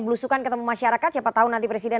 belusukan ketemu masyarakat siapa tahu nanti presiden